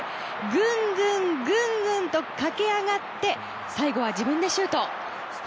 ぐんぐん、ぐんぐんと駆け上がって最後は自分でシュート。